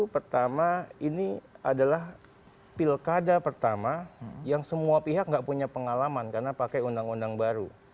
pertama ini adalah pilkada pertama yang semua pihak nggak punya pengalaman karena pakai undang undang baru